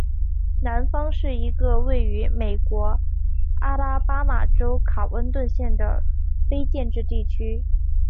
南方是一个位于美国阿拉巴马州卡温顿县的非建制地区。